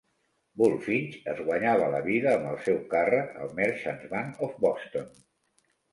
Bulfinch es guanyava la vida amb el seu càrrec al Merchants' Bank of Boston.